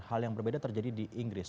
hal yang berbeda terjadi di inggris